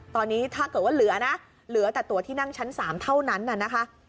ตอนนี้ถ้าเกิดว่าเหลือนะเหลือแต่ตัวที่นั่งชั้น๓เท่านั้นน่ะนะคะ